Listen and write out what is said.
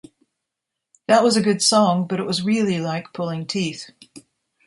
That was a good song, but it was really like pulling teeth.